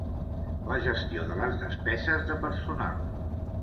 La gestió de les despeses de personal.